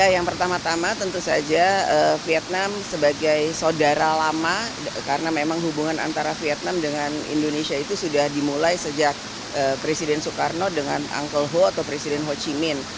yang pertama tama tentu saja vietnam sebagai saudara lama karena memang hubungan antara vietnam dengan indonesia itu sudah dimulai sejak presiden soekarno dengan ankle ho atau presiden ho chi min